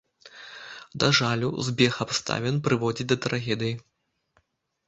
Да жалю, збег абставін прыводзіць да трагедыі.